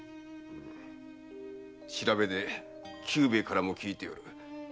調べで久兵衛からも聞いておる。